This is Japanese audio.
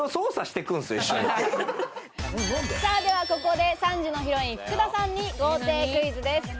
では、ここで３時のヒロイン・福田さんに豪邸クイズです。